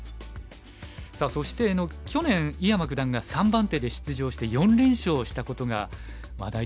さあそして去年井山九段が３番手で出場して４連勝したことが話題となりましたよね。